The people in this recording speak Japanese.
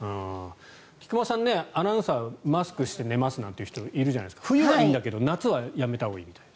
菊間さんはアナウンサーマスクして寝ますなんていう人いるじゃないですか冬はいいんだけど夏はやめたほうがいいみたい。